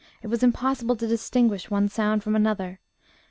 It was impossible to distinguish one sound from another.